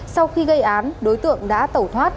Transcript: sau khi gây án đối tượng đã tẩu thoát